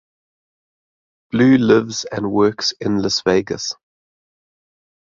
Blue lives and works in Las Vegas.